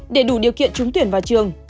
để đủ điều kiện trúng tuyển vào trường